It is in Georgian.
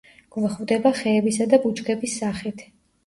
გვხვდება ხეებისა და ბუჩქების სახით.